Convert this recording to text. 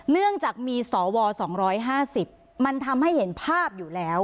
เนื่องจากมีสว๒๕๐มันทำให้เห็นภาพอยู่แล้ว